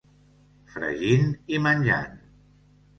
Fregint i menjant.